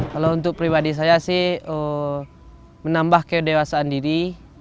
kalau untuk pribadi saya sih menambah ke dewasaan diri